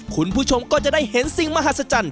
คุณผู้ชมก็จะได้เห็นสิ่งมหัศจรรย